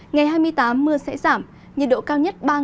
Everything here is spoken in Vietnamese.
ngày hai mươi tám mưa sẽ giảm nhiệt độ cao nhất ba ngày